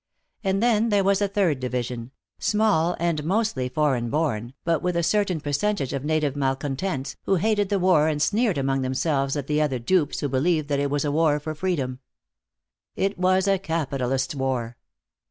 And then there was a third division, small and mostly foreign born, but with a certain percentage of native malcontents, who hated the war and sneered among themselves at the other dupes who believed that it was a war for freedom. It was a capitalists' war.